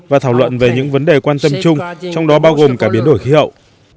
và thảo luận về những vấn đề quan tâm chung trong đó bao gồm cả biến đổi khí hậu